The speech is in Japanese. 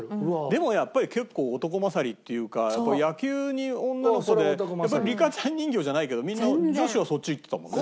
でもやっぱり結構男勝りっていうか野球に女の子でやっぱりリカちゃん人形じゃないけどみんな女子はそっちいってたもんね。